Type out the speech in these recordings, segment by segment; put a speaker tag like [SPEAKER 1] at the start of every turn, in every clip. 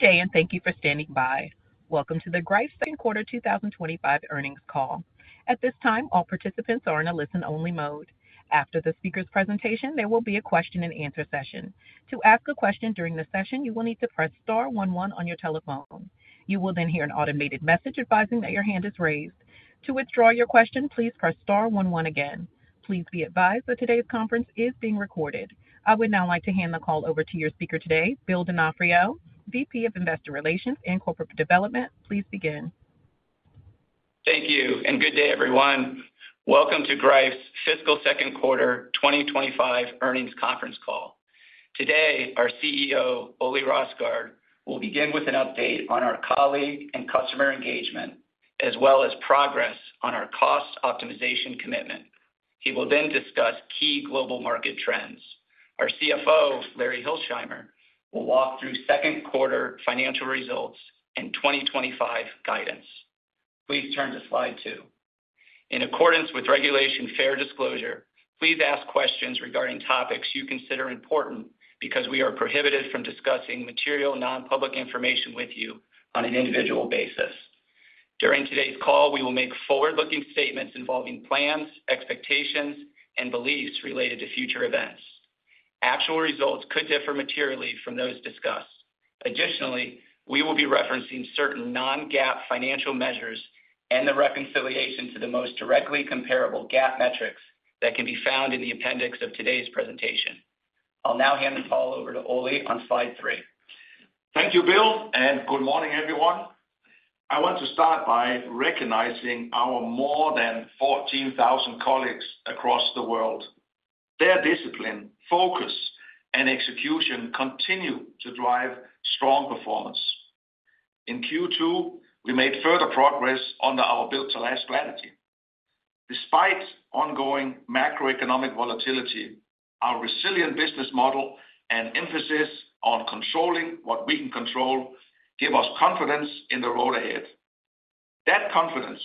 [SPEAKER 1] Good day, and thank you for standing by. Welcome to the Greif Quarter 2025 Earnings Call. At this time, all participants are in a listen-only mode. After the speaker's presentation, there will be a question-and-answer session. To ask a question during the session, you will need to press star one one on your telephone. You will then hear an automated message advising that your hand is raised. To withdraw your question, please press star one one again. Please be advised that today's conference is being recorded. I would now like to hand the call over to your speaker today, Bill D'Onofrio, VP of Investor Relations and Corporate Development. Please begin.
[SPEAKER 2] Thank you, and good day, everyone. Welcome to Greif's Fiscal Second Quarter 2025 Earnings Conference Call. Today, our CEO, Ole Rosgaard, will begin with an update on our colleague and customer engagement, as well as progress on our cost optimization commitment. He will then discuss key global market trends. Our CFO, Larry Hilsheimer, will walk through second quarter financial results and 2025 guidance. Please turn to slide two. In accordance with regulation fair disclosure, please ask questions regarding topics you consider important because we are prohibited from discussing material non-public information with you on an individual basis. During today's call, we will make forward-looking statements involving plans, expectations, and beliefs related to future events. Actual results could differ materially from those discussed. Additionally, we will be referencing certain non-GAAP financial measures and the reconciliation to the most directly comparable GAAP metrics that can be found in the appendix of today's presentation. I'll now hand the call over to Ole on slide three.
[SPEAKER 3] Thank you, Bill, and good morning, everyone. I want to start by recognizing our more than 14,000 colleagues across the world. Their discipline, focus, and execution continue to drive strong performance. In Q2, we made further progress under our Built to Last strategy. Despite ongoing macroeconomic volatility, our resilient business model and emphasis on controlling what we can control give us confidence in the road ahead. That confidence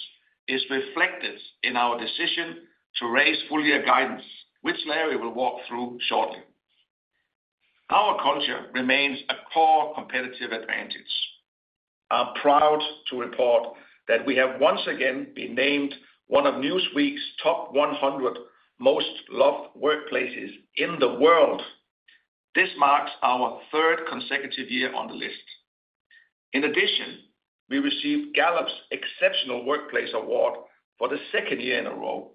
[SPEAKER 3] is reflected in our decision to raise full-year guidance, which Larry will walk through shortly. Our culture remains a core competitive advantage. I'm proud to report that we have once again been named one of Newsweek's top 100 most loved workplaces in the world. This marks our third consecutive year on the list. In addition, we received Gallup's Exceptional Workplace Award for the second year in a row.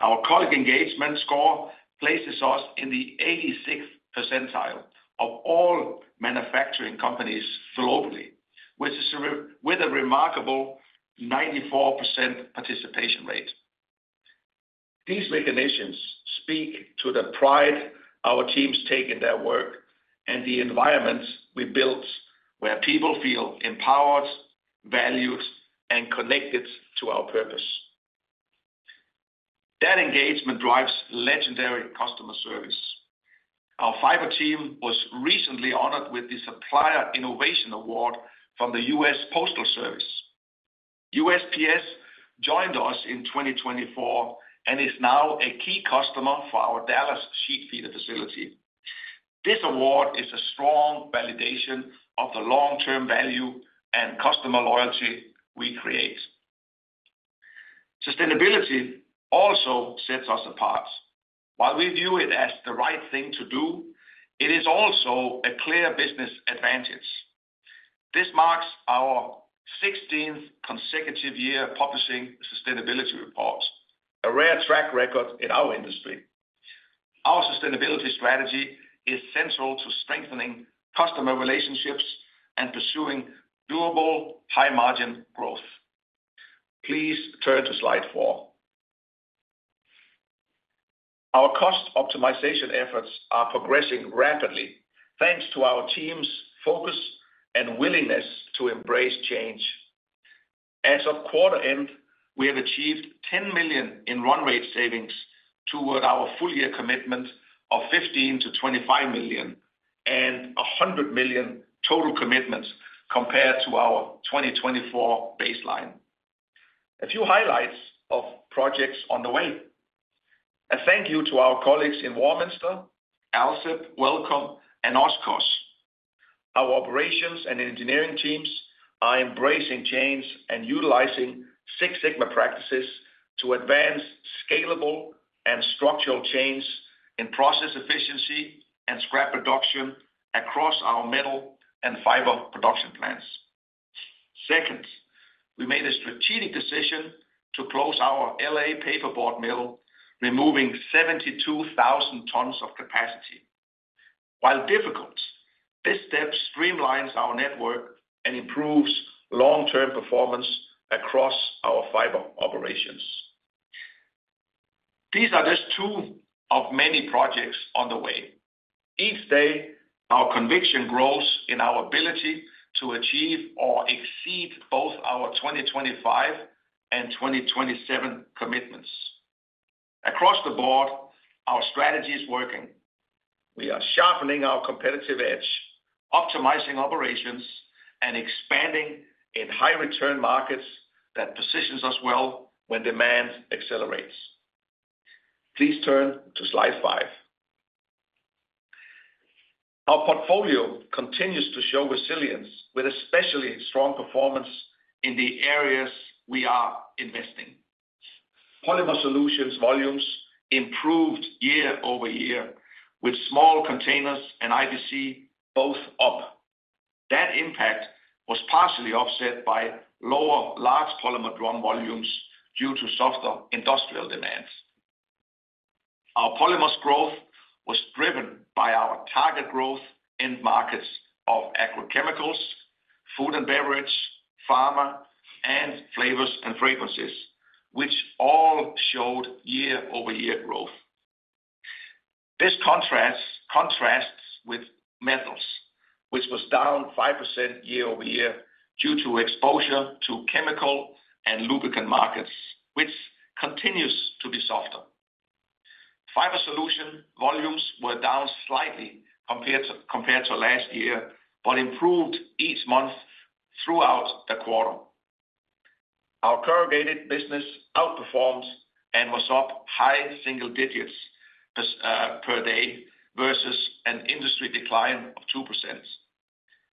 [SPEAKER 3] Our colleague engagement score places us in the 86th percentile of all manufacturing companies globally, with a remarkable 94% participation rate. These recognitions speak to the pride our teams take in their work and the environments we build where people feel empowered, valued, and connected to our purpose. That engagement drives legendary customer service. Our fiber team was recently honored with the Supplier Innovation Award from the US Postal Service. USPS joined us in 2024 and is now a key customer for our Dallas sheet feeder facility. This award is a strong validation of the long-term value and customer loyalty we create. Sustainability also sets us apart. While we view it as the right thing to do, it is also a clear business advantage. This marks our 16th consecutive year publishing sustainability report, a rare track record in our industry. Our sustainability strategy is central to strengthening customer relationships and pursuing durable high-margin growth. Please turn to slide four. Our cost optimization efforts are progressing rapidly thanks to our team's focus and willingness to embrace change. As of quarter end, we have achieved $10 million in run rate savings toward our full-year commitment of $15 million-$25 million and $100 million total commitments compared to our 2024 baseline. A few highlights of projects on the way: a thank you to our colleagues in Warminster, ALCIP, Wellcome, and OSCOS. Our operations and engineering teams are embracing change and utilizing Six Sigma practices to advance scalable and structural change in process efficiency and scrap production across our metal and fiber production plants. Second, we made a strategic decision to close our L.A. paperboard mill, removing 72,000 tons of capacity. While difficult, this step streamlines our network and improves long-term performance across our fiber operations. These are just two of many projects on the way. Each day, our conviction grows in our ability to achieve or exceed both our 2025 and 2027 commitments. Across the board, our strategy is working. We are sharpening our competitive edge, optimizing operations, and expanding in high-return markets that positions us well when demand accelerates. Please turn to slide five. Our portfolio continues to show resilience with especially strong performance in the areas we are investing. Polymer solutions volumes improved year-over-year with small containers and IPC both up. That impact was partially offset by lower large polymer drum volumes due to softer industrial demands. Our polymer's growth was driven by our target growth in markets of agrochemicals, food and beverage, pharma, and flavors and fragrances, which all showed year-over-year growth. This contrasts with metals, which was down 5% year-over-year due to exposure to chemical and lubricant markets, which continues to be softer. Fiber solution volumes were down slightly compared to last year but improved each month throughout the quarter. Our corrugated business outperformed and was up high single digits per day versus an industry decline of 2%.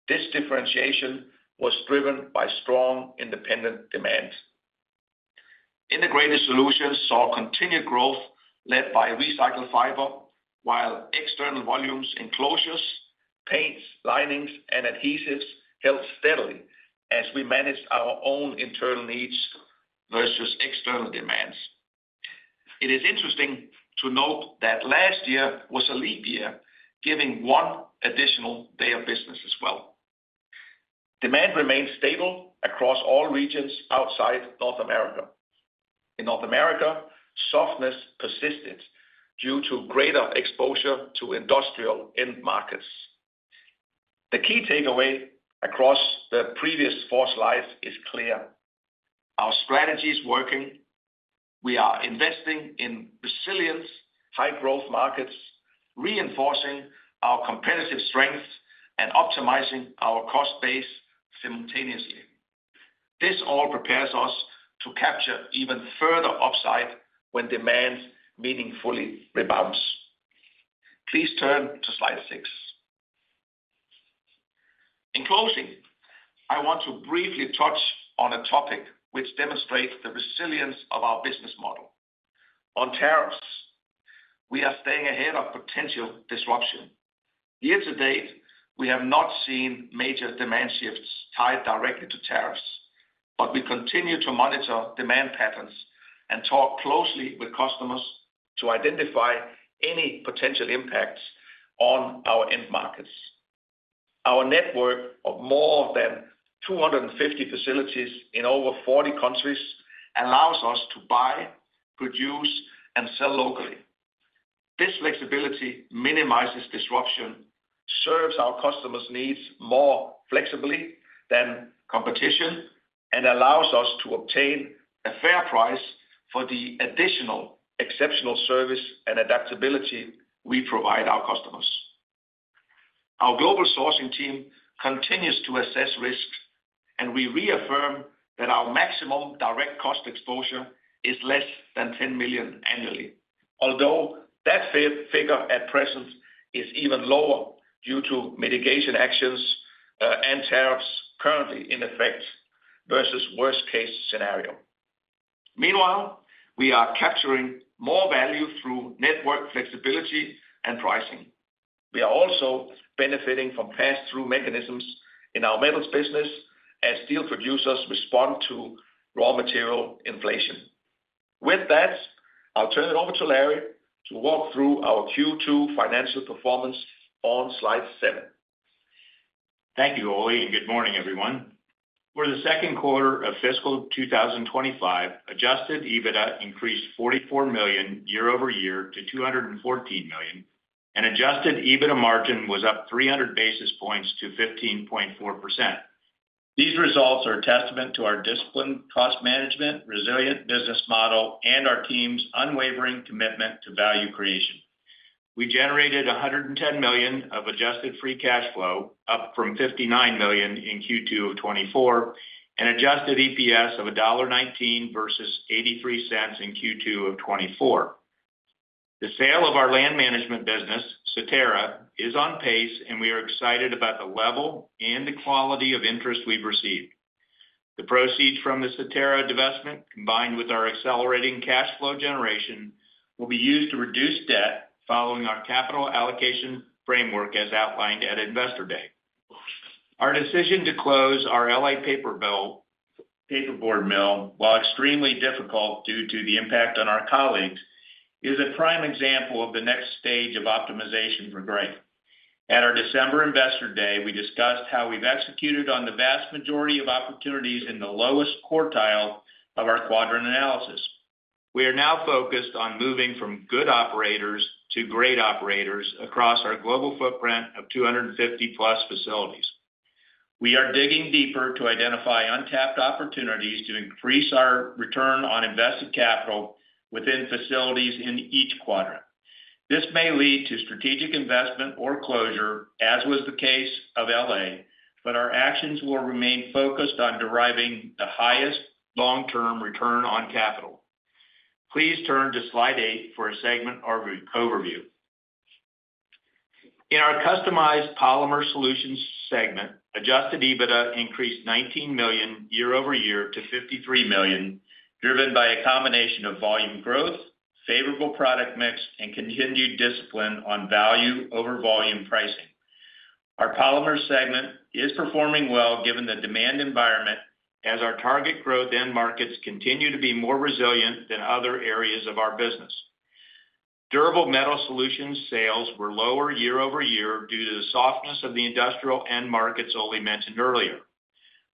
[SPEAKER 3] This differentiation was driven by strong independent demand. Integrated solutions saw continued growth led by recycled fiber, while external volumes in closures, paints, linings, and adhesives held steadily as we managed our own internal needs versus external demands. It is interesting to note that last year was a leap year, giving one additional day of business as well. Demand remained stable across all regions outside North America. In North America, softness persisted due to greater exposure to industrial end markets. The key takeaway across the previous four slides is clear. Our strategy is working. We are investing in resilient, high-growth markets, reinforcing our competitive strength and optimizing our cost base simultaneously. This all prepares us to capture even further upside when demand meaningfully rebounds. Please turn to slide six. In closing, I want to briefly touch on a topic which demonstrates the resilience of our business model: on tariffs. We are staying ahead of potential disruption. Year-to-date, we have not seen major demand shifts tied directly to tariffs, but we continue to monitor demand patterns and talk closely with customers to identify any potential impacts on our end markets. Our network of more than 250 facilities in over 40 countries allows us to buy, produce, and sell locally. This flexibility minimizes disruption, serves our customers' needs more flexibly than competition, and allows us to obtain a fair price for the additional exceptional service and adaptability we provide our customers. Our global sourcing team continues to assess risks, and we reaffirm that our maximum direct cost exposure is less than $10 million annually, although that figure at present is even lower due to mitigation actions and tariffs currently in effect versus worst-case scenario. Meanwhile, we are capturing more value through network flexibility and pricing. We are also benefiting from pass-through mechanisms in our metals business as steel producers respond to raw material inflation. With that, I'll turn it over to Larry to walk through our Q2 financial performance on slide seven.
[SPEAKER 4] Thank you, Ole, and good morning, everyone. For the second quarter of fiscal 2025, adjusted EBITDA increased $44 million year-over-year to $214 million, and adjusted EBITDA margin was up 300 basis points to 15.4%. These results are a testament to our discipline, cost management, resilient business model, and our team's unwavering commitment to value creation. We generated $110 million of adjusted free cash flow, up from $59 million in Q2 of 2024, and adjusted EPS of $1.19 versus $0.83 in Q2 of 2024. The sale of our land management business, Satera, is on pace, and we are excited about the level and the quality of interest we've received. The proceeds from the Satera divestment, combined with our accelerating cash flow generation, will be used to reduce debt following our capital allocation framework as outlined at Investor Day. Our decision to close our L.A. paperboard mill, while extremely difficult due to the impact on our colleagues, is a prime example of the next stage of optimization for growth. At our December Investor Day, we discussed how we've executed on the vast majority of opportunities in the lowest quartile of our quadrant analysis. We are now focused on moving from good operators to great operators across our global footprint of 250+ facilities. We are digging deeper to identify untapped opportunities to increase our return on invested capital within facilities in each quadrant. This may lead to strategic investment or closure, as was the case of L.A., but our actions will remain focused on deriving the highest long-term return on capital. Please turn to slide eight for a segment overview. In our customized polymer solutions segment, adjusted EBITDA increased $19 million year-over-year to $53 million, driven by a combination of volume growth, favorable product mix, and continued discipline on value over volume pricing. Our polymer segment is performing well given the demand environment as our target growth end markets continue to be more resilient than other areas of our business. Durable metal solutions sales were lower year-over-year due to the softness of the industrial end markets Ole mentioned earlier.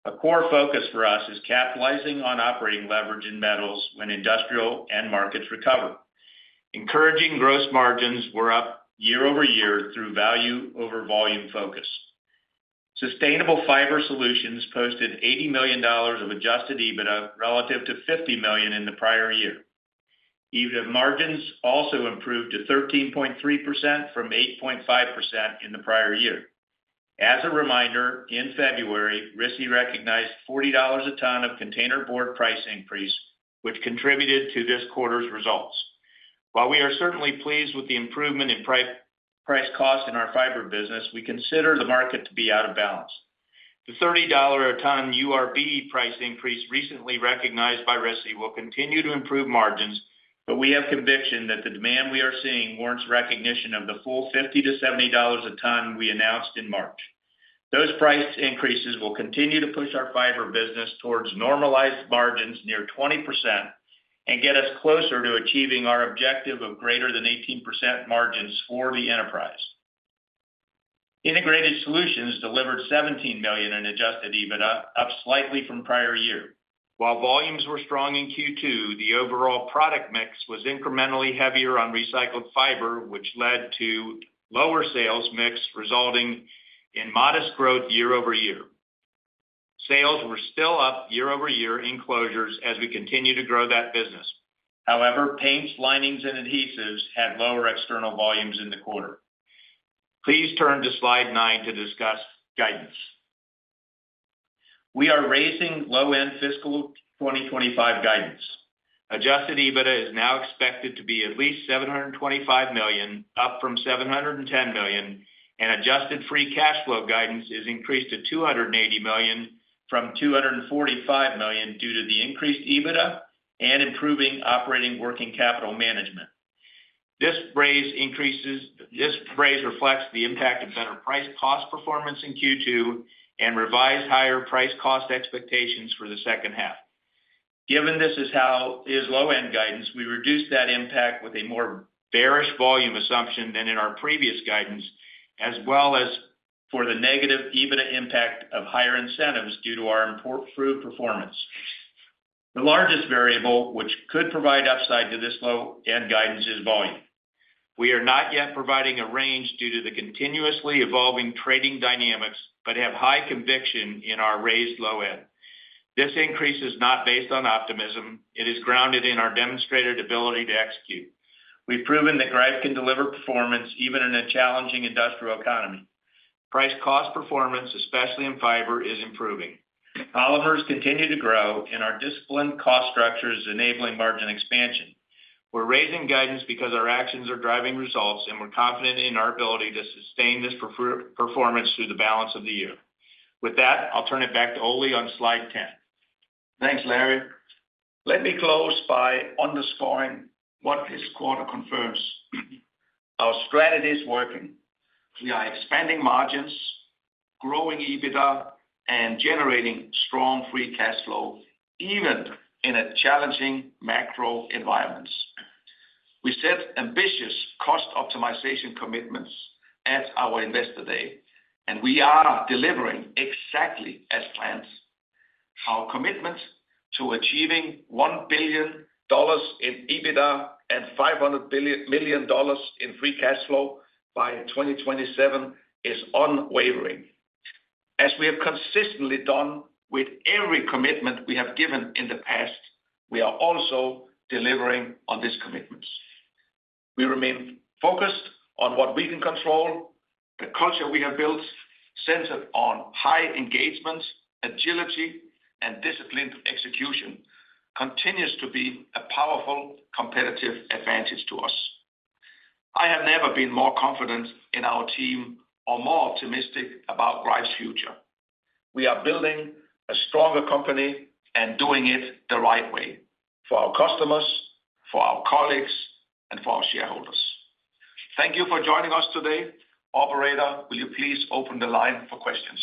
[SPEAKER 4] A core focus for us is capitalizing on operating leverage in metals when industrial end markets recover. Encouraging gross margins were up year-over-year through value over volume focus. Sustainable fiber solutions posted $80 million of adjusted EBITDA relative to $50 million in the prior year. EBITDA margins also improved to 13.3% from 8.5% in the prior year. As a reminder, in February, RISI recognized $40 a ton of containerboard price increase, which contributed to this quarter's results. While we are certainly pleased with the improvement in price cost in our fiber business, we consider the market to be out of balance. The $30 a ton URB price increase recently recognized by RISI will continue to improve margins, but we have conviction that the demand we are seeing warrants recognition of the full $50-$70 a ton we announced in March. Those price increases will continue to push our fiber business towards normalized margins near 20% and get us closer to achieving our objective of greater than 18% margins for the enterprise. Integrated solutions delivered $17 million in adjusted EBITDA, up slightly from prior year. While volumes were strong in Q2, the overall product mix was incrementally heavier on recycled fiber, which led to lower sales mix resulting in modest growth year-over-year. Sales were still up year-over-year in closures as we continue to grow that business. However, paints, linings, and adhesives had lower external volumes in the quarter. Please turn to slide nine to discuss guidance. We are raising low-end fiscal 2025 guidance. Adjusted EBITDA is now expected to be at least $725 million, up from $710 million, and adjusted free cash flow guidance is increased to $280 million from $245 million due to the increased EBITDA and improving operating working capital management. This phrase reflects the impact of better price cost performance in Q2 and revised higher price cost expectations for the second half. Given this is low-end guidance, we reduce that impact with a more bearish volume assumption than in our previous guidance, as well as for the negative EBITDA impact of higher incentives due to our improved performance. The largest variable, which could provide upside to this low-end guidance, is volume. We are not yet providing a range due to the continuously evolving trading dynamics, but have high conviction in our raised low-end. This increase is not based on optimism. It is grounded in our demonstrated ability to execute. We've proven that Greif can deliver performance even in a challenging industrial economy. Price cost performance, especially in fiber, is improving. Polymers continue to grow, and our disciplined cost structure is enabling margin expansion. We're raising guidance because our actions are driving results, and we're confident in our ability to sustain this performance through the balance of the year. With that, I'll turn it back to Ole on slide 10.
[SPEAKER 3] Thanks, Larry. Let me close by underscoring what this quarter confirms. Our strategy is working. We are expanding margins, growing EBITDA, and generating strong free cash flow even in challenging macro environments. We set ambitious cost optimization commitments at our Investor Day, and we are delivering exactly as planned. Our commitment to achieving $1 billion in EBITDA and $500 million in free cash flow by 2027 is unwavering. As we have consistently done with every commitment we have given in the past, we are also delivering on these commitments. We remain focused on what we can control. The culture we have built, centered on high engagement, agility, and disciplined execution, continues to be a powerful competitive advantage to us. I have never been more confident in our team or more optimistic about Greif's future. We are building a stronger company and doing it the right way for our customers, for our colleagues, and for our shareholders. Thank you for joining us today. Operator, will you please open the line for questions?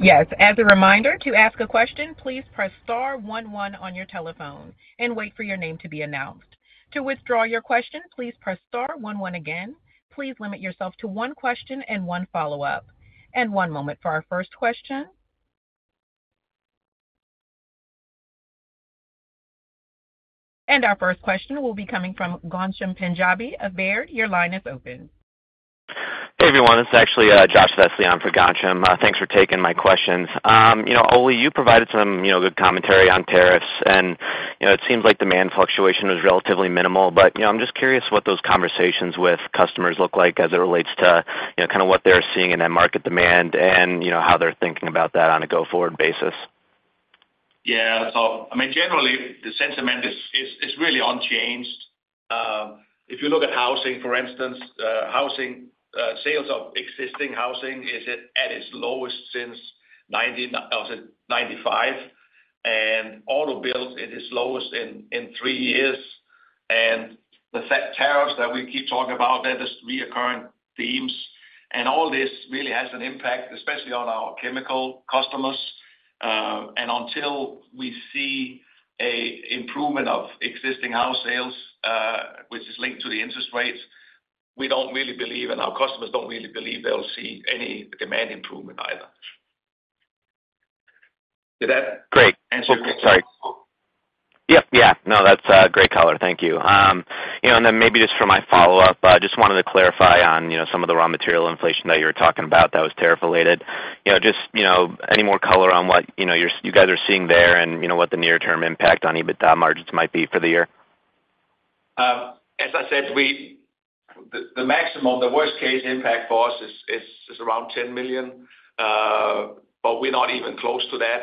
[SPEAKER 1] Yes. As a reminder, to ask a question, please press star one one on your telephone and wait for your name to be announced. To withdraw your question, please press star one one again. Please limit yourself to one question and one follow-up. One moment for our first question. Our first question will be coming from Ghansham Panjabi of Baird. Your line is open.
[SPEAKER 5] Hey, everyone. This is actually Josh Vesely for Ghansham. Thanks for taking my questions. Ole, you provided some good commentary on tariffs, and it seems like demand fluctuation was relatively minimal, but I'm just curious what those conversations with customers look like as it relates to kind of what they're seeing in that market demand and how they're thinking about that on a go-forward basis.
[SPEAKER 3] Yeah. I mean, generally, the sentiment is really unchanged. If you look at housing, for instance, housing sales of existing housing is at its lowest since 1995, and auto builds at its lowest in three years. The tariffs that we keep talking about, they're just reoccurring themes. All this really has an impact, especially on our chemical customers. Until we see an improvement of existing house sales, which is linked to the interest rates, we don't really believe, and our customers don't really believe they'll see any demand improvement either. Did that answer your question?
[SPEAKER 5] Great. Sorry. Yeah. No, that's great color. Thank you. Maybe just for my follow-up, just wanted to clarify on some of the raw material inflation that you were talking about that was tariff-related. Just any more color on what you guys are seeing there and what the near-term impact on EBITDA margins might be for the year?
[SPEAKER 3] As I said, the maximum, the worst-case impact for us is around $10 million, but we're not even close to that.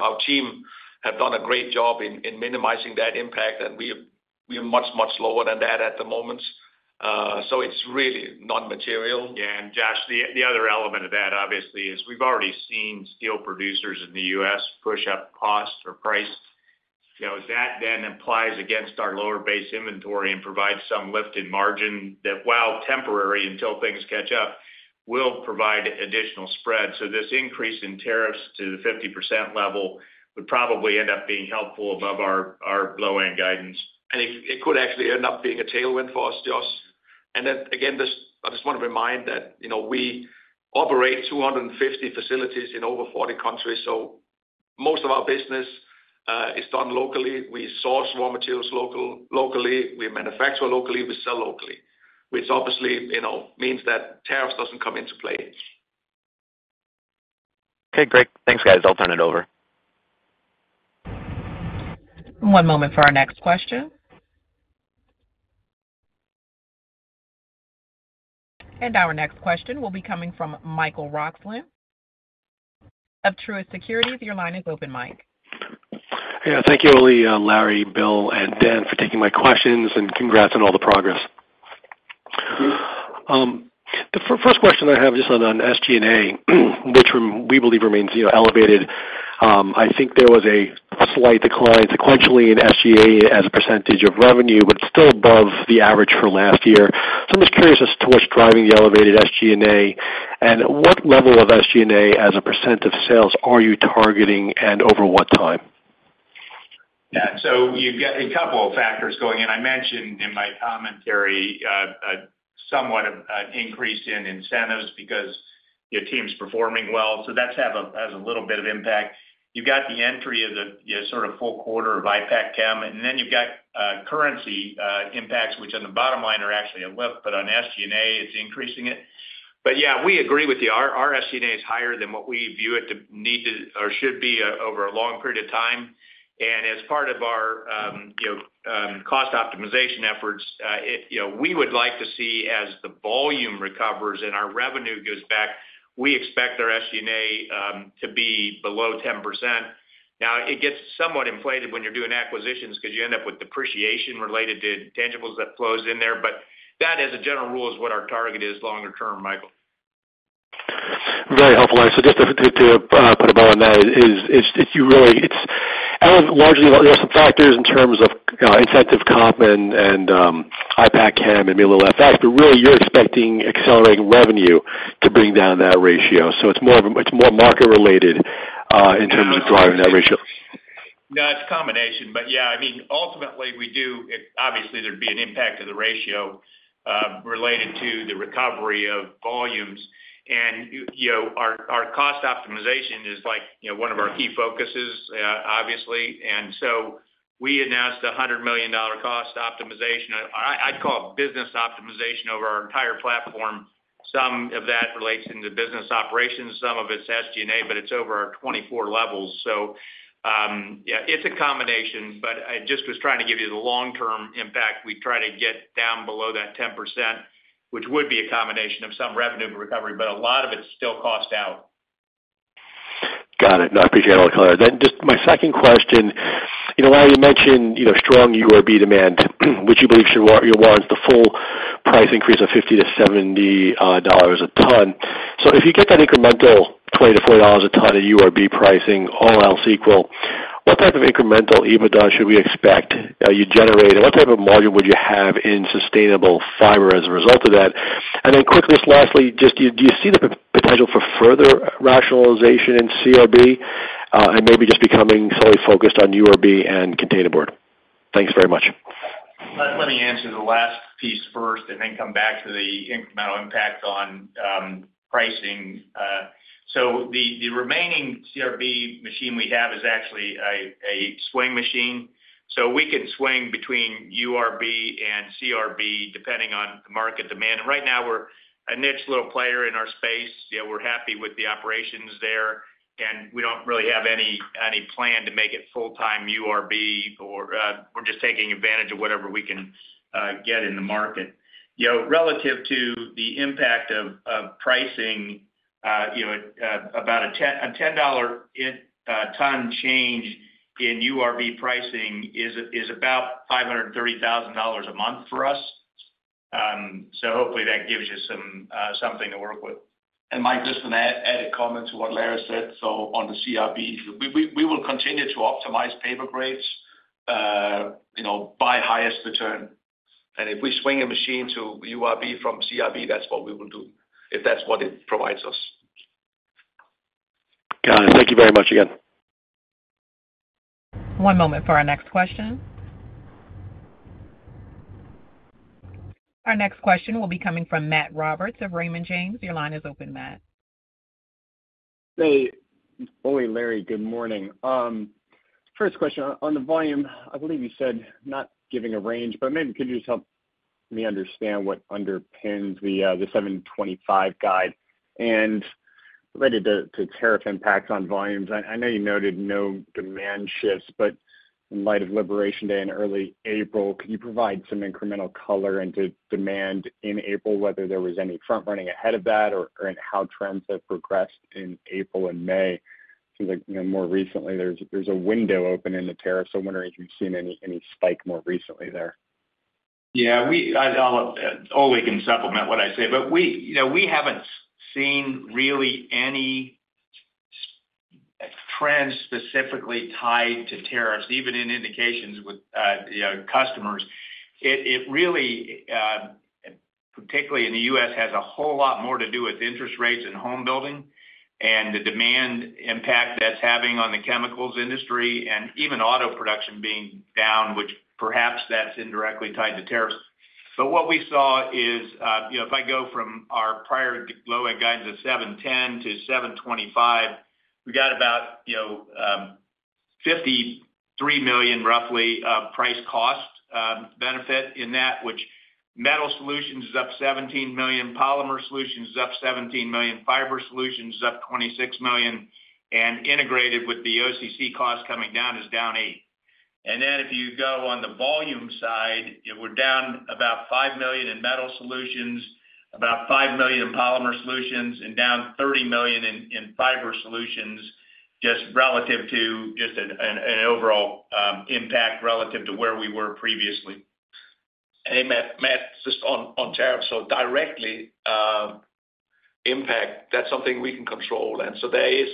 [SPEAKER 3] Our team have done a great job in minimizing that impact, and we are much, much lower than that at the moment. It is really non-material.
[SPEAKER 4] Yeah. Josh, the other element of that, obviously, is we've already seen steel producers in the U.S. push up cost or price. That then implies against our lower base inventory and provides some lift in margin that, while temporary until things catch up, will provide additional spread. This increase in tariffs to the 50% level would probably end up being helpful above our low-end guidance.
[SPEAKER 3] It could actually end up being a tailwind for us, Josh. I just want to remind that we operate 250 facilities in over 40 countries. Most of our business is done locally. We source raw materials locally. We manufacture locally. We sell locally, which obviously means that tariffs do not come into play.
[SPEAKER 5] Okay. Great. Thanks, guys. I'll turn it over.
[SPEAKER 1] One moment for our next question. Our next question will be coming from Michael Roxland of Truist Securities. Your line is open, Mike.
[SPEAKER 6] Yeah. Thank you, Ole, Larry, Bill, and Dan for taking my questions and congrats on all the progress. The first question I have just on SG&A, which we believe remains elevated. I think there was a slight decline sequentially in SG&A as a percentage of revenue, but it's still above the average for last year. I'm just curious as to what's driving the elevated SG&A and what level of SG&A as a percent of sales are you targeting and over what time?
[SPEAKER 4] Yeah. You have got a couple of factors going in. I mentioned in my commentary somewhat an increase in incentives because your team's performing well. That has a little bit of impact. You have got the entry of the sort of full quarter of IPACKCHEM, and then you have got currency impacts, which on the bottom line are actually a lift, but on SG&A, it is increasing it. Yeah, we agree with you. Our SG&A is higher than what we view it to need to or should be over a long period of time. As part of our cost optimization efforts, we would like to see as the volume recovers and our revenue goes back, we expect our SG&A to be below 10%. Now, it gets somewhat inflated when you're doing acquisitions because you end up with depreciation related to tangibles that flows in there, but that, as a general rule, is what our target is longer term, Michael.
[SPEAKER 6] Very helpful. Just to put a bow on that, it's largely there are some factors in terms of incentive comp and IPACKCHEM and MuleLeaf facts, but really you're expecting accelerating revenue to bring down that ratio. It's more market-related in terms of driving that ratio.
[SPEAKER 4] No, it's a combination. Yeah, I mean, ultimately, we do obviously, there'd be an impact to the ratio related to the recovery of volumes. Our cost optimization is one of our key focuses, obviously. We announced a $100 million cost optimization. I'd call it business optimization over our entire platform. Some of that relates into business operations. Some of it's SG&A, but it's over our 24 levels. Yeah, it's a combination, but I just was trying to give you the long-term impact. We try to get down below that 10%, which would be a combination of some revenue recovery, but a lot of it's still cost out.
[SPEAKER 6] Got it. No, I appreciate all the color. Just my second question. You mentioned strong URB demand. Would you believe you'll warrant the full price increase of $50-$70 a ton? If you get that incremental $20-$40 a ton in URB pricing, all else equal, what type of incremental EBITDA should we expect you generate? What type of margin would you have in sustainable fiber as a result of that? Quickly, just lastly, do you see the potential for further rationalization in CRB and maybe just becoming solely focused on URB and containerboard? Thanks very much.
[SPEAKER 4] Let me answer the last piece first and then come back to the incremental impact on pricing. The remaining CRB machine we have is actually a swing machine. We can swing between URB and CRB depending on the market demand. Right now, we're a niche little player in our space. We're happy with the operations there, and we don't really have any plan to make it full-time URB, or we're just taking advantage of whatever we can get in the market. Relative to the impact of pricing, about a $10 a ton change in URB pricing is about $530,000 a month for us. Hopefully, that gives you something to work with.
[SPEAKER 3] Mike, just an added comment to what Larry said. On the CRB, we will continue to optimize paper grades by highest return. If we swing a machine to URB from CRB, that's what we will do if that's what it provides us.
[SPEAKER 6] Got it. Thank you very much again.
[SPEAKER 1] One moment for our next question. Our next question will be coming from Matt Roberts of Raymond James. Your line is open, Matt.
[SPEAKER 7] Hey. Ole, Larry, good morning. First question. On the volume, I believe you said not giving a range, but maybe could you just help me understand what underpins the 725 guide and related to tariff impacts on volumes? I know you noted no demand shifts, but in light of Liberation Day in early April, could you provide some incremental color into demand in April, whether there was any front-running ahead of that or how trends have progressed in April and May? Seems like more recently, there's a window open in the tariffs. I'm wondering if you've seen any spike more recently there.
[SPEAKER 4] Yeah. Ole can supplement what I say, but we haven't seen really any trends specifically tied to tariffs, even in indications with customers. It really, particularly in the U.S., has a whole lot more to do with interest rates and home building and the demand impact that's having on the chemicals industry and even auto production being down, which perhaps that's indirectly tied to tariffs. What we saw is if I go from our prior low-end guidance of $710 million-$725 million, we got about $53 million, roughly, price-cost benefit in that, which metal solutions is up $17 million, polymer solutions is up $17 million, fiber solutions is up $26 million, and integrated with the OCC cost coming down is down $8 million. If you go on the volume side, we're down about $5 million in metal solutions, about $5 million in polymer solutions, and down $30 million in fiber solutions just relative to just an overall impact relative to where we were previously.
[SPEAKER 3] Hey, Matt, just on tariffs. Directly, impact, that's something we can control. There is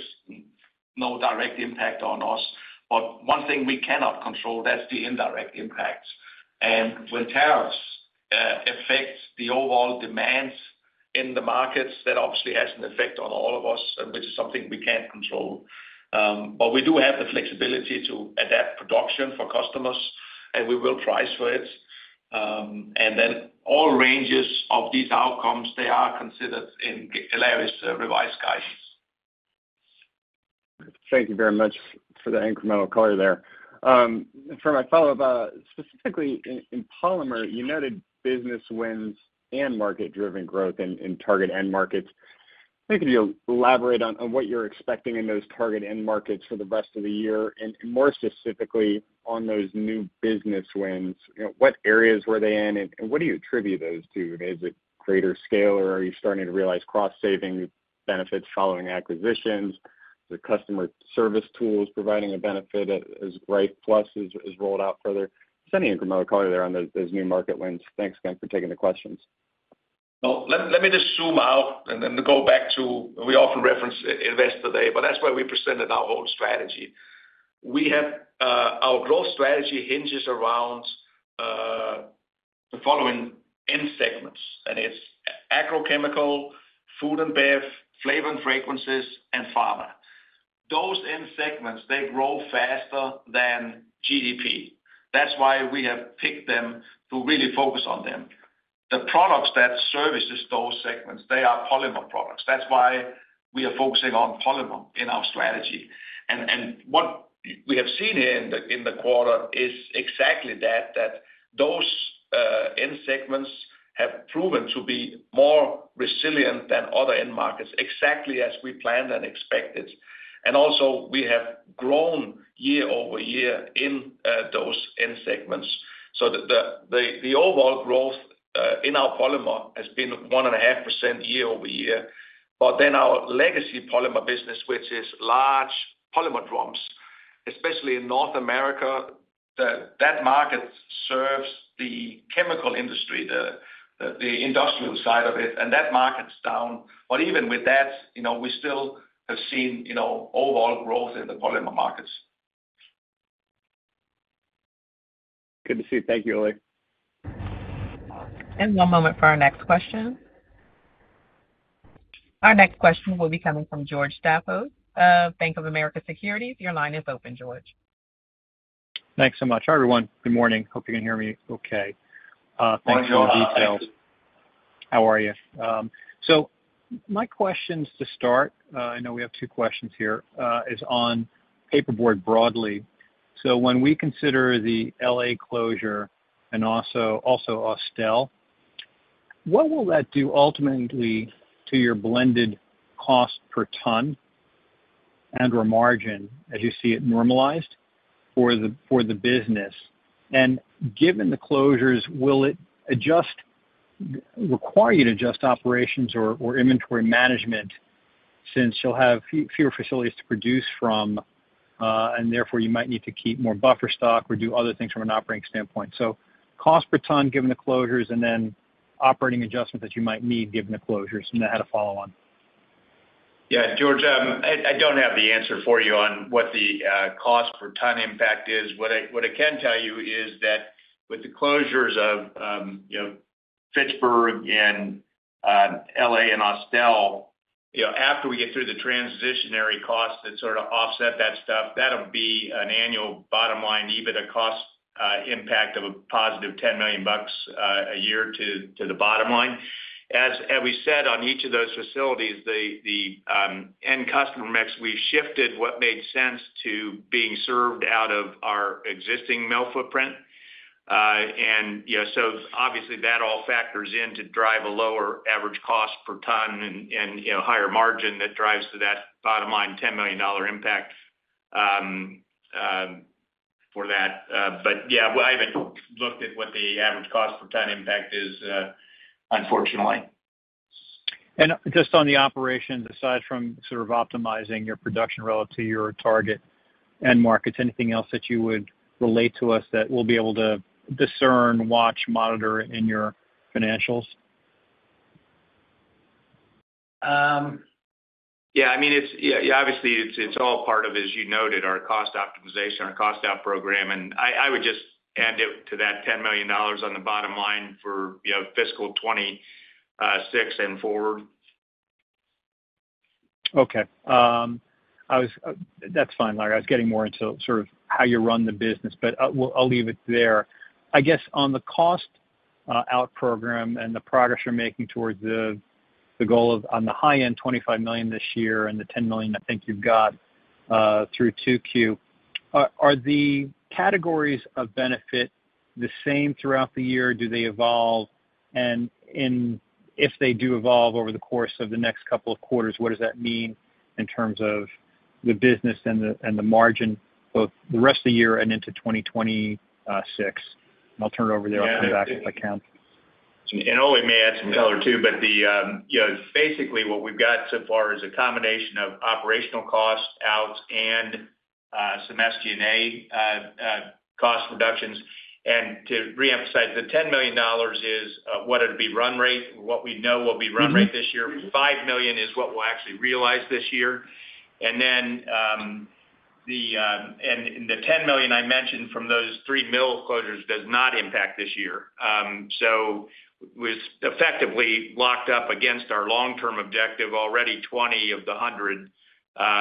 [SPEAKER 3] no direct impact on us. One thing we cannot control, that's the indirect impacts. When tariffs affect the overall demands in the markets, that obviously has an effect on all of us, which is something we can't control. We do have the flexibility to adapt production for customers, and we will price for it. All ranges of these outcomes, they are considered in Larry's revised guidance.
[SPEAKER 7] Thank you very much for that incremental color there. For my follow-up, specifically in polymer, you noted business wins and market-driven growth in target end markets. I think if you'll elaborate on what you're expecting in those target end markets for the rest of the year and more specifically on those new business wins, what areas were they in, and what do you attribute those to? Is it greater scale, or are you starting to realize cost-saving benefits following acquisitions? Is it customer service tools providing a benefit as Rife Plus is rolled out further? Just any incremental color there on those new market wins. Thanks again for taking the questions.
[SPEAKER 3] Let me just zoom out and then go back to we often reference Invest Today, but that's where we presented our whole strategy. Our growth strategy hinges around the following end segments, and it's agrochemical, food and bev, flavor and fragrances, and pharma. Those end segments, they grow faster than GDP. That's why we have picked them to really focus on them. The products that service those segments, they are polymer products. That's why we are focusing on polymer in our strategy. What we have seen here in the quarter is exactly that, that those end segments have proven to be more resilient than other end markets, exactly as we planned and expected. Also, we have grown year-over-year in those end segments. The overall growth in our polymer has been 1.5% year-over-year. Our legacy polymer business, which is large polymer drums, especially in North America, that market serves the chemical industry, the industrial side of it, and that market's down. Even with that, we still have seen overall growth in the polymer markets.
[SPEAKER 7] Good to see. Thank you, Ole.
[SPEAKER 1] One moment for our next question. Our next question will be coming from George Stafford of Bank of America Securities. Your line is open, George.
[SPEAKER 8] Thanks so much. Hi, everyone. Good morning. Hope you can hear me okay. Thanks for the details. How are you? My questions to start, I know we have two questions here, is on paperboard broadly. When we consider the L.A. closure and also Austell, what will that do ultimately to your blended cost per ton and/or margin as you see it normalized for the business? Given the closures, will it require you to adjust operations or inventory management since you'll have fewer facilities to produce from, and therefore, you might need to keep more buffer stock or do other things from an operating standpoint? Cost per ton given the closures and then operating adjustments that you might need given the closures. I had a follow-on.
[SPEAKER 4] Yeah. George, I don't have the answer for you on what the cost per ton impact is. What I can tell you is that with the closures of Pittsburgh and L.A. and Austell, after we get through the transitionary costs that sort of offset that stuff, that'll be an annual bottom line, even a cost impact of a +$10 million a year to the bottom line. As we said, on each of those facilities, the end customer mix, we've shifted what made sense to being served out of our existing mill footprint. Obviously, that all factors in to drive a lower average cost per ton and higher margin that drives to that bottom line $10 million impact for that. Yeah, we haven't looked at what the average cost per ton impact is, unfortunately.
[SPEAKER 8] Just on the operations, aside from sort of optimizing your production relative to your target end markets, anything else that you would relate to us that we'll be able to discern, watch, monitor in your financials?
[SPEAKER 4] Yeah. I mean, obviously, it's all part of, as you noted, our cost optimization, our cost-out program. I would just add to that $10 million on the bottom line for fiscal 2026 and forward.
[SPEAKER 8] Okay. That's fine, Larry. I was getting more into sort of how you run the business, but I'll leave it there. I guess on the cost-out program and the progress you're making towards the goal of on the high end, $25 million this year and the $10 million I think you've got through 2Q, are the categories of benefit the same throughout the year? Do they evolve? If they do evolve over the course of the next couple of quarters, what does that mean in terms of the business and the margin both the rest of the year and into 2026? I'll turn it over there. I'll come back if I can.
[SPEAKER 4] Ole may add some color too, but basically, what we've got so far is a combination of operational cost out and some SG&A cost reductions. To reemphasize, the $10 million is what it'd be run rate, what we know will be run rate this year. $5 million is what we'll actually realize this year. The $10 million I mentioned from those three mill closures does not impact this year. We've effectively locked up against our long-term objective, already $20 million of the $100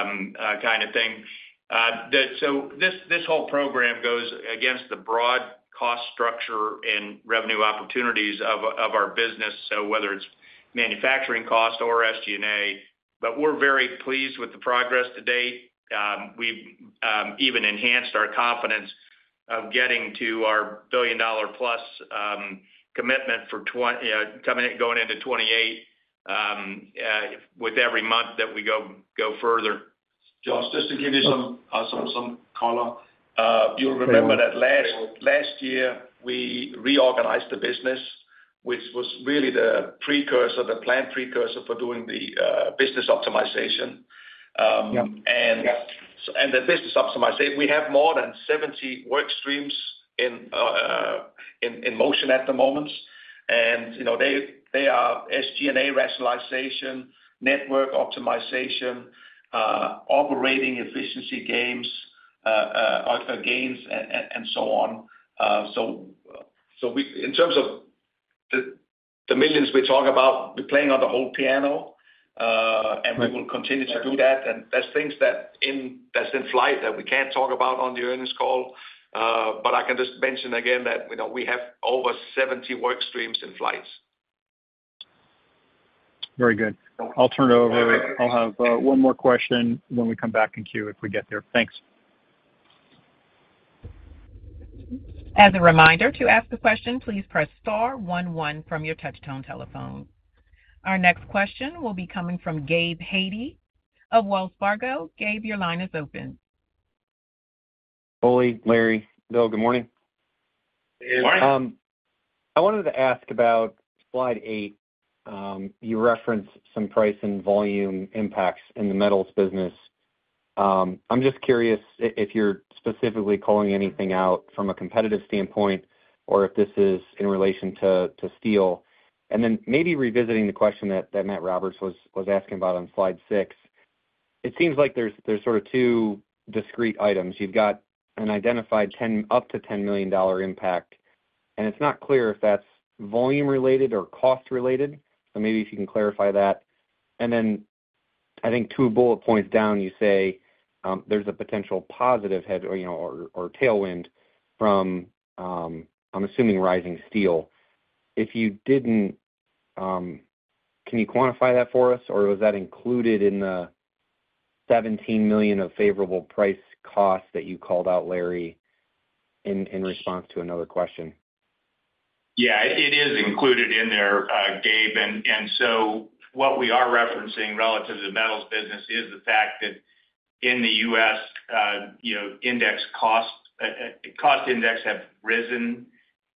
[SPEAKER 4] million kind of thing. This whole program goes against the broad cost structure and revenue opportunities of our business, whether it's manufacturing cost or SG&A. We're very pleased with the progress to date. We've even enhanced our confidence of getting to our billion-dollar-plus commitment for going into 2028 with every month that we go further.
[SPEAKER 3] Josh, just to give you some color, you'll remember that last year, we reorganized the business, which was really the planned precursor for doing the business optimization. The business optimization, we have more than 70 work streams in motion at the moment. They are SG&A rationalization, network optimization, operating efficiency gains, and so on. In terms of the millions we talk about, we're playing on the whole piano, and we will continue to do that. There's things that's in flight that we can't talk about on the earnings call. I can just mention again that we have over 70 work streams in flight.
[SPEAKER 8] Very good. I'll turn it over. I'll have one more question when we come back in queue if we get there. Thanks.
[SPEAKER 1] As a reminder to ask a question, please press star one one from your touch-tone telephone. Our next question will be coming from Gabe Hajde of Wells Fargo. Gabe, your line is open.
[SPEAKER 9] Ole, Larry, Bill, good morning.
[SPEAKER 3] Good morning.
[SPEAKER 9] I wanted to ask about slide eight. You referenced some price and volume impacts in the metals business. I'm just curious if you're specifically calling anything out from a competitive standpoint or if this is in relation to steel. Maybe revisiting the question that Matt Roberts was asking about on slide six, it seems like there's sort of two discrete items. You've got an identified up to $10 million impact, and it's not clear if that's volume-related or cost-related. Maybe if you can clarify that. I think two bullet points down, you say there's a potential positive head or tailwind from, I'm assuming, rising steel. If you didn't, can you quantify that for us, or was that included in the $17 million of favorable price cost that you called out, Larry, in response to another question?
[SPEAKER 4] Yeah. It is included in there, Gabe. What we are referencing relative to the metals business is the fact that in the U.S., cost index have risen,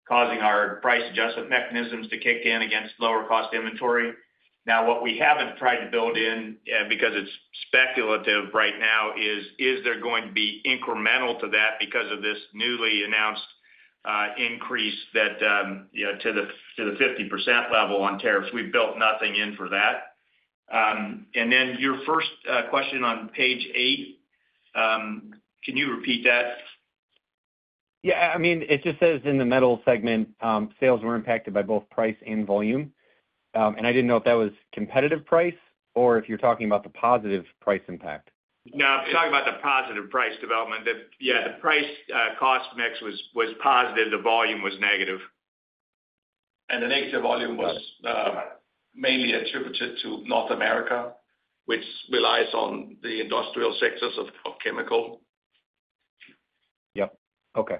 [SPEAKER 4] causing our price adjustment mechanisms to kick in against lower-cost inventory. Now, what we have not tried to build in, because it is speculative right now, is is there going to be incremental to that because of this newly announced increase to the 50% level on tariffs? We have built nothing in for that. Your first question on page eight, can you repeat that?
[SPEAKER 9] Yeah. I mean, it just says in the metal segment, sales were impacted by both price and volume. I didn't know if that was competitive price or if you're talking about the positive price impact.
[SPEAKER 4] No, talk about the positive price development. Yeah, the price-cost mix was positive. The volume was negative.
[SPEAKER 3] The negative volume was mainly attributed to North America, which relies on the industrial sectors of chemical.
[SPEAKER 9] Yep. Okay.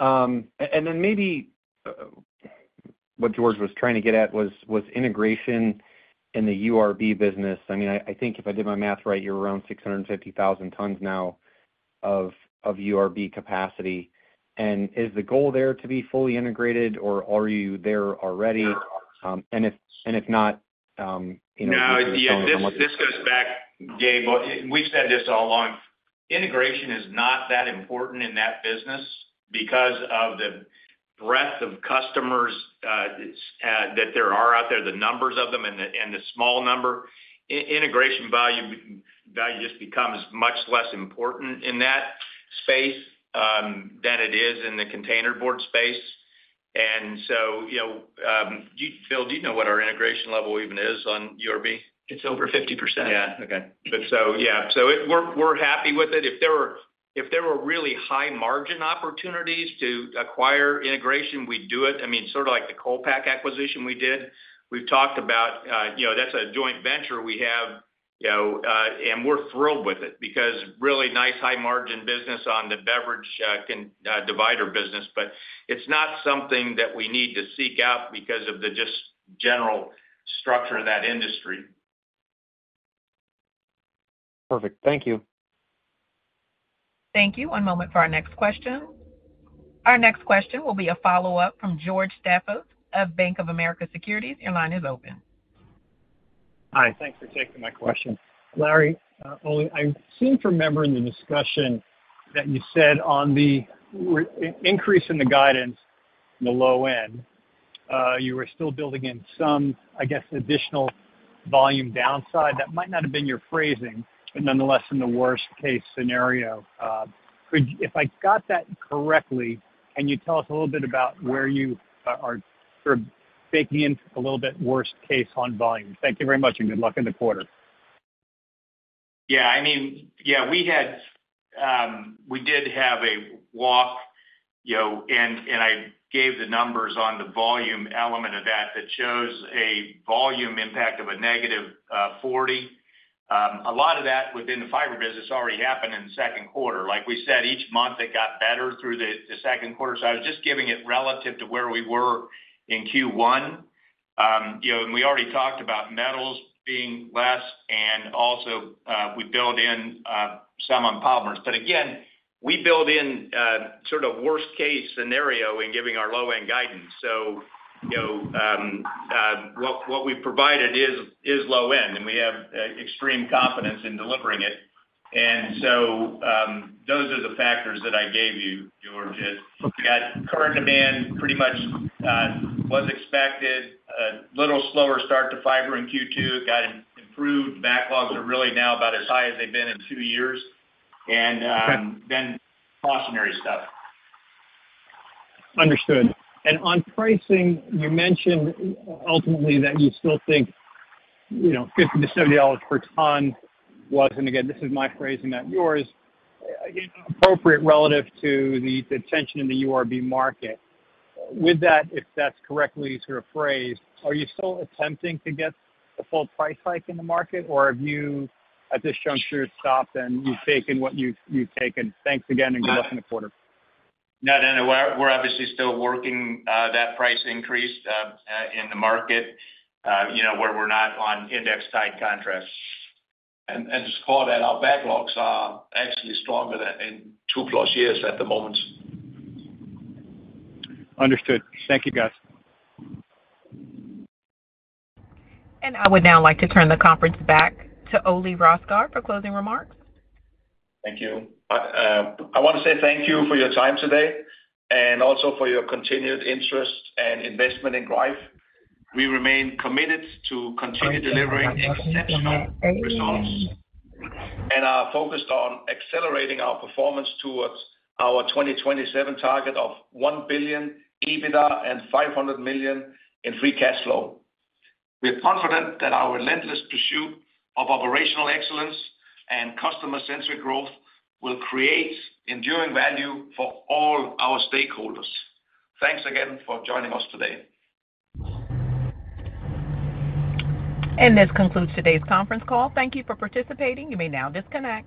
[SPEAKER 9] Maybe what George was trying to get at was integration in the URB business. I mean, I think if I did my math right, you're around 650,000 tons now of URB capacity. Is the goal there to be fully integrated, or are you there already? If not.
[SPEAKER 4] No, this goes back, Gabe. We've said this all along. Integration is not that important in that business because of the breadth of customers that there are out there, the numbers of them and the small number. Integration value just becomes much less important in that space than it is in the containerboard space. Bill, do you know what our integration level even is on URB?
[SPEAKER 3] It's over 50%.
[SPEAKER 9] Yeah. Okay.
[SPEAKER 4] So yeah. So we're happy with it. If there were really high-margin opportunities to acquire integration, we'd do it. I mean, sort of like the ColePak acquisition we did. We've talked about that's a joint venture we have, and we're thrilled with it because really nice high-margin business on the beverage divider business. But it's not something that we need to seek out because of the just general structure of that industry.
[SPEAKER 9] Perfect. Thank you.
[SPEAKER 1] Thank you. One moment for our next question. Our next question will be a follow-up from George Stafford of Bank of America Securities. Your line is open.
[SPEAKER 8] Hi. Thanks for taking my question. Larry, I seem to remember in the discussion that you said on the increase in the guidance in the low end, you were still building in some, I guess, additional volume downside. That might not have been your phrasing, but nonetheless, in the worst-case scenario, if I got that correctly, can you tell us a little bit about where you are sort of baking in a little bit worst-case on volume? Thank you very much, and good luck in the quarter.
[SPEAKER 4] Yeah. I mean, yeah, we did have a walk, and I gave the numbers on the volume element of that that shows a volume impact of a -40. A lot of that within the fiber business already happened in the second quarter. Like we said, each month it got better through the second quarter. I was just giving it relative to where we were in Q1. We already talked about metals being less, and also we build in some on polymers. Again, we build in sort of worst-case scenario in giving our low-end guidance. What we've provided is low-end, and we have extreme confidence in delivering it. Those are the factors that I gave you, George. Current demand pretty much was expected, a little slower start to fiber in Q2, got improved. Backlogs are really now about as high as they've been in two years. And then cautionary stuff.
[SPEAKER 8] Understood. On pricing, you mentioned ultimately that you still think $50-$70 per ton was, and again, this is my phrasing, not yours, appropriate relative to the tension in the URB market. With that, if that's correctly sort of phrased, are you still attempting to get a full price hike in the market, or have you at this juncture stopped and you've taken what you've taken? Thanks again, and good luck in the quarter.
[SPEAKER 4] No, no, no. We're obviously still working that price increase in the market where we're not on index-tight contracts.
[SPEAKER 3] Just call that our backlogs are actually stronger than in 2+ years at the moment.
[SPEAKER 8] Understood. Thank you, guys.
[SPEAKER 1] I would now like to turn the conference back to Ole Rosgaard for closing remarks.
[SPEAKER 3] Thank you. I want to say thank you for your time today and also for your continued interest and investment in Greif. We remain committed to continue delivering exceptional results and are focused on accelerating our performance towards our 2027 target of $1 billion EBITDA and $500 million in free cash flow. We are confident that our relentless pursuit of operational excellence and customer-centric growth will create enduring value for all our stakeholders. Thanks again for joining us today.
[SPEAKER 1] This concludes today's conference call. Thank you for participating. You may now disconnect.